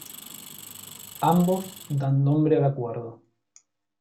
Ambos dan nombre al acuerdo.